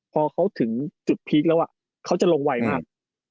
พอเขาถึงจุดพีคแล้วเขาจะลงไวมาก